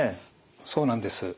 そうなんです。